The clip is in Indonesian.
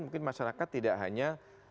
mungkin masyarakat tidak hanya